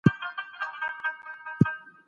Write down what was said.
تا وينمه خونـد راكوي